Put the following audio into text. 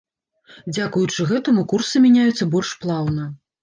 Дзякуючы гэтаму курсы мяняюцца больш плаўна.